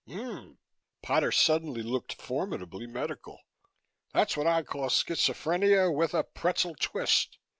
"Hm!" Potter suddenly looked formidably medical. "That's what I call schizophrenia with a pretzel twist.